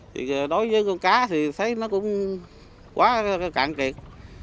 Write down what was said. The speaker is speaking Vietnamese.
thì đối với con cá thì thấy nó cũng quá cạn kiệt